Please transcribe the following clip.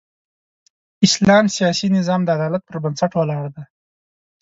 اسلام سیاسي نظام د عدالت پر بنسټ ولاړ دی.